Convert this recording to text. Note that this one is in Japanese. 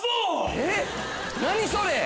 えっ何それ。